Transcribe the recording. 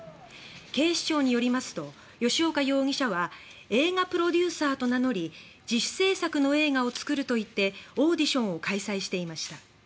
警視庁によりますと吉岡容疑者は映画プロデューサーと名乗り自主制作の映画を作ると言ってオーディションを開催していました。